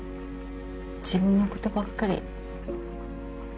自分のことばっかり。